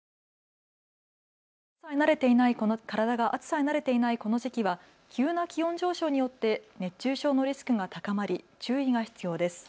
体が暑さに慣れていないこの時期は急な気温上昇によって熱中症のリスクが高まり注意が必要です。